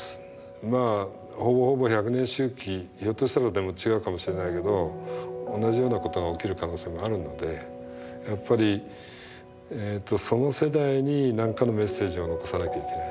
まあほぼほぼ１００年周期ひょっとしたらでも違うかもしれないけど同じようなことが起きる可能性もあるのでやっぱりその世代に何かのメッセージを残さなきゃいけない。